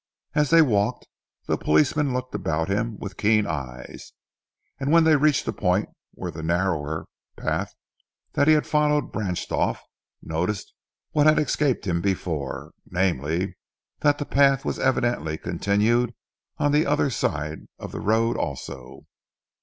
As they walked, the policeman looked about him with keen eyes, and when they reached the point where the narrower path that he had followed branched off, noticed what had escaped him before, namely that the path was evidently continued on the other side of the road also.